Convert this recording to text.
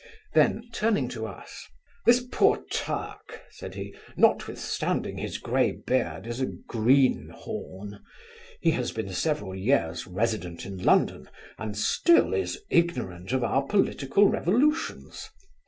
Then, turning to us, 'This poor Turk (said he) notwithstanding his grey beard, is a green horn He has been several years resident in London, and still is ignorant of our political revolutions.